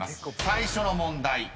［最初の問題